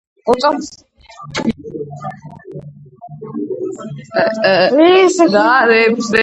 გვხვდება ინდოეთსა და ცეილონში.